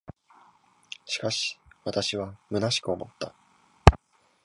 しかし、私は虚しく思った。